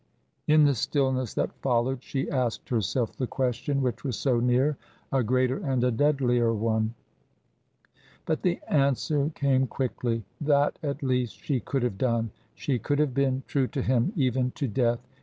In the stillness that followed she asked herself the question which was so near a greater and a deadlier one. But the answer came quickly. That, at least, she could have done. She could have been true to him, even to death.